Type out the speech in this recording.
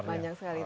iya banyak sekali